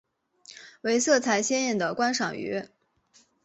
为色彩鲜艳的观赏鱼。